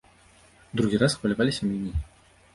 Другі раз хваляваліся меней.